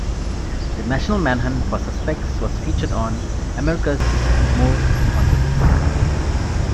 The national manhunt for the suspects was featured on "America's Most Wanted".